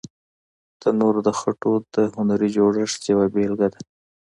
تنور د خټو د هنري جوړښت یوه بېلګه ده